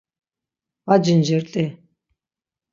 Va cincirt̆i.